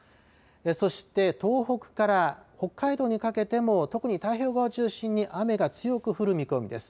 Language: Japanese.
そして東北から北海道にかけても、特に太平洋側を中心に雨が強く降る見込みです。